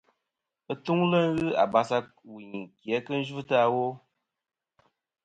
Atuŋlɨ ghɨ abas ɨ wuyn ki a kɨ yvɨtɨ awo.